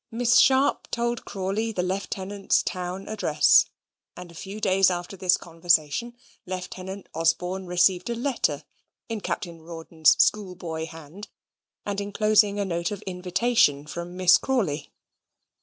Miss Sharp told Crawley the Lieutenant's town address; and a few days after this conversation, Lieutenant Osborne received a letter, in Captain Rawdon's schoolboy hand, and enclosing a note of invitation from Miss Crawley.